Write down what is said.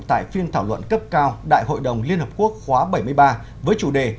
tại phiên thảo luận cấp cao đại hội đồng liên hợp quốc khóa bảy mươi ba với chủ đề